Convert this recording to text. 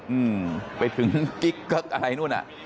อืมไปถึงกิ๊กกลั๊กอะไรนู้น